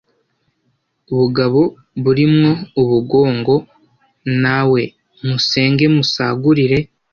Bugabo buri mwo ubugongo Na we musenge musagurire